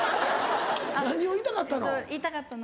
何を言いたかったの？